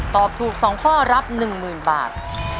ตอบถูกสองข้อรับหนึ่งหมื่นบาท